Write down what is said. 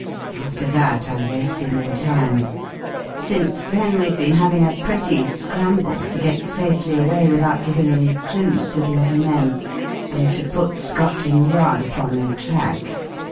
After that I wasted no time. Since then we've been having a pretty scramble to get safely away without giving any clues to the other men, and to put Scotland Yard upon their track.